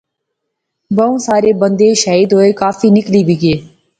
بہوں سارے بندے شہید ہوئے، کافی نکلی وی گئے